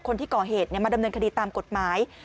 คนที่ก่อเหตุมาดำเนินคดีตามกฎหมาย